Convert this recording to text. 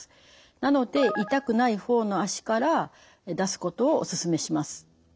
なので痛くない方の脚から出すことをおすすめします。